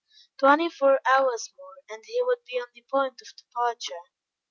Twenty four hours more, and he would be on the point of departure.